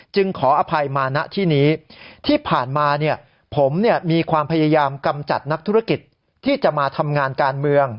ขออภัยมาณที่นี้ที่ผ่านมาเนี่ยผมมีความพยายามกำจัดนักธุรกิจที่จะมาทำงานการเมือง